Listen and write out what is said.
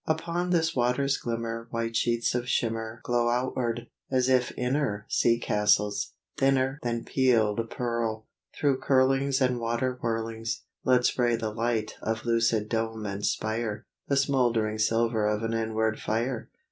II Upon this water's glimmer White sheets of shimmer Glow outward, as if inner Sea castles, thinner Than peeléd pearl, through curlings And water whirlings, Let spray the light of lucid dome and spire, The smoldering silver of an inward fire.